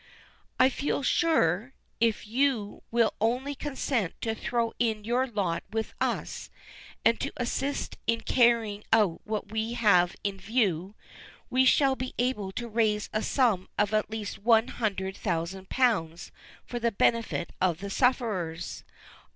"I feel sure, if you will only consent to throw in your lot with us, and to assist in carrying out what we have in view, we shall be able to raise a sum of at least one hundred thousand pounds for the benefit of the sufferers.